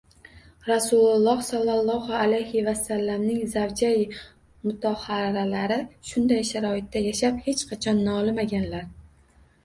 Rasululloh sollallohu alayhi vasallamning zavjai mutohharalari shunday sharoitda yashab, hech qachon nolimaganlar